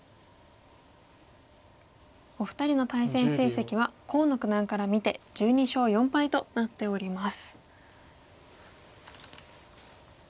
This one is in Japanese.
お二人の対戦成績は河野九段から見て１２勝４敗となっております。